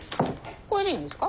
これでいいんですか？